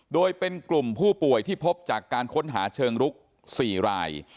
โดยเป็นกลุ่มผู้ป่วยที่พบจากการค้นหาเชิงรุก๔ราย